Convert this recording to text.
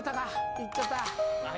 行っちゃった。